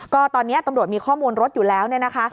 ก็ตอนนี้ตำรวจมีข้อมูลรถอยู่แล้วเนี่ยนะคะ